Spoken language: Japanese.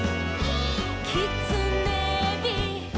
「きつねび」「」